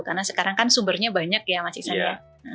karena sekarang kan sumbernya banyak ya mas iksan ya